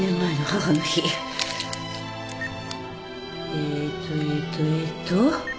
えっとえっとえっと。